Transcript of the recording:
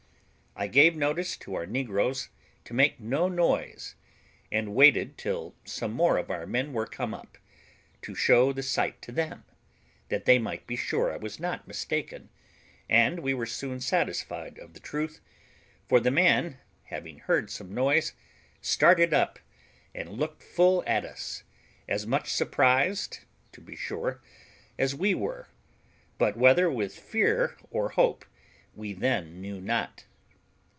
I gave notice to our negroes to make no noise, and waited till some more of our men were come up, to show the sight to them, that they might be sure I was not mistaken; and we were soon satisfied of the truth, for the man, having heard some noise, started up, and looked full at us, as much surprised, to be sure, as we were, but whether with fear or hope, we then knew not.